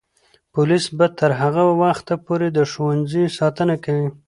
پولیس به تر هغه وخته پورې د ښوونځیو ساتنه کوي.